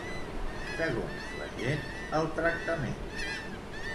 Segons la gent, el tractament.